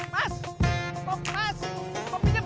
mas kopinya belum layar mas